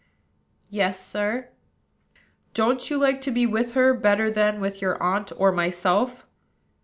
"Yes, sir." "Don't you like to be with her better than with your aunt or myself?"